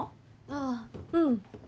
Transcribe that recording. ああうん。